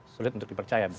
sulit untuk dipercaya